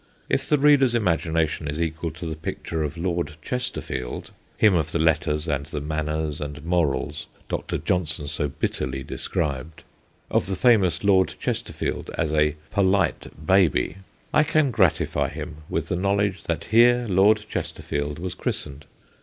If the reader's imagination is equal to the picture of Lord Chesterfield him of the letters and the manners and morals Dr. Johnson so bitterly described of the famous Lord Chesterfield as a polite baby, I can gratify him with the knowledge that here Lord Chesterfield was 276 THE GHOSTS OF PICCADILLY christened.